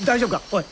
おい！